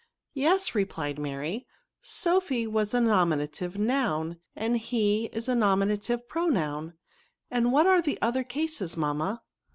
" Yes," replied Mary ;" Sophy was a nominative noun, and he a nominative pro noun ; and what are the other cases, mam ma?"